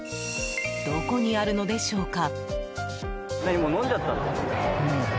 どこにあるのでしょうか？